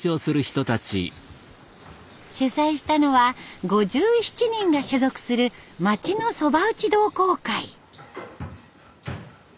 主催したのは５７人が所属する町のそば打ち同好会。